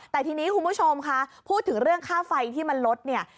แต่ทีนี้คุณผู้ชมค่ะพูดถึงเรื่องค่าไฟที่มันลดเนี่ย